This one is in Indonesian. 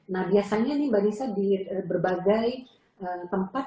nah biasanya nih mbak lisa di berbagai tempat